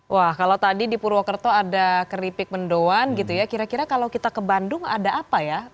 wah kalau tadi di purwokerto ada keripik mendoan gitu ya kira kira kalau kita ke bandung ada apa ya